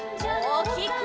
おおきく！